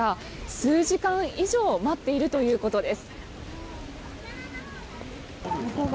数時間以上待っているということです。